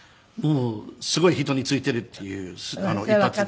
すごい人に付いているっていう一発で。